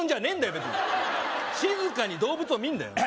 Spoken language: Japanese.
別に静かに動物を見んだよ